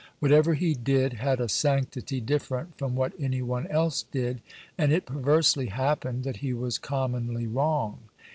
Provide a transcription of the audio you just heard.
Whatever he did had a sanctity different from what any one else did, and it perversely happened that he was commonly wrong.